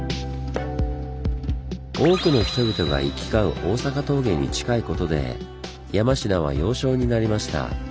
多くの人々が行き交う坂峠に近いことで山科は「要衝」になりました。